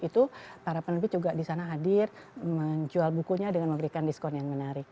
itu para penerbit juga di sana hadir menjual bukunya dengan memberikan diskon yang menarik